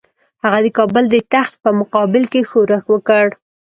هغه د کابل د تخت په مقابل کې ښورښ وکړ.